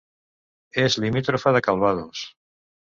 És limítrofa de Calvados.